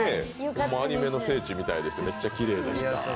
ホンマ、アニメの聖地みたいでめっちゃきれいやった。